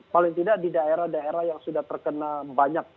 paling tidak di daerah daerah yang sudah terkena banyak